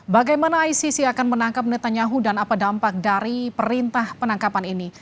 bagaimana icc akan menangkap netanyahu dan apa dampak dari perintah penangkapan ini